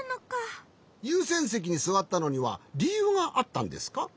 ゆうせんせきにすわったのにはりゆうがあったんですか？